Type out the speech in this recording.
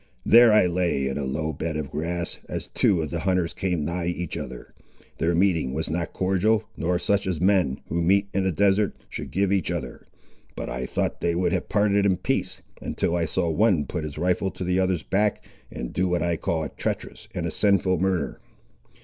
There I lay in a low bed of grass, as two of the hunters came nigh each other. Their meeting was not cordial, nor such as men, who meet in a desert, should give each other; but I thought they would have parted in peace, until I saw one put his rifle to the other's back, and do what I call a treacherous and sinful murder.